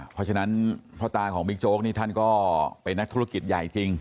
เพราะฉะนั้นพ่อตาของบิ๊กโจ๊กนี่ท่านก็เป็นนักธุรกิจใหญ่จริง